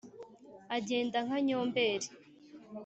Agenda nka nyomberi